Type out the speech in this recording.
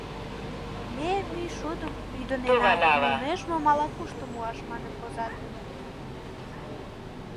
«Ме мӱйшудым ӱдынена, да нӧшмым ала-кушто муаш» манын возат.